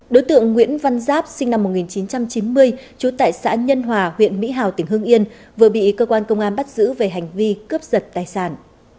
đối tượng nguyễn văn giáp sinh năm một nghìn chín trăm chín mươi trú tại xã nhân hòa huyện mỹ hào tỉnh hương yên vừa bị cơ quan công an bắt giữ về hành vi cướp giật tài sản